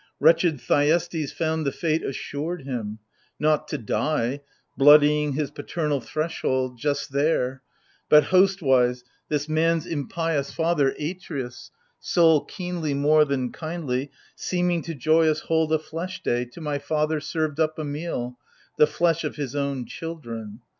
Wretched Thuestes found the fate assured him — Not to die, bloodying his patei nal threshold Just there : but host wise this man's impious father AGAMEMNON, I39 Atreus, soul keenly more than kindly, — seeming To joyous hold a flesh day, — to my father Served up a meal, the flesh of his own children.